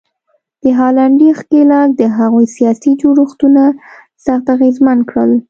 د هالنډي ښکېلاک د هغوی سیاسي جوړښتونه سخت اغېزمن کړل.